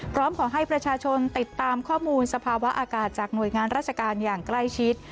พร้อมขอให้ประชาชนติดตามข้อมูลสภาวะอากาศจากหน่วยงานราชการอย่างใกล้ชิด